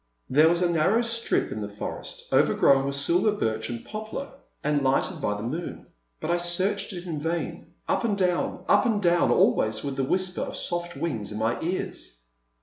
There was a narrow strip in the forest, over grown with silver birch and poplar and lighted by the moon, but I searched it in vain, up and down, up and down, always with the whisper of soft wings in my ears.